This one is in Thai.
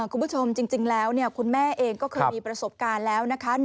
คุณผู้ชมจริงแล้วคุณแม่เองก็เคยมีประสบการณ์แล้วนะคะ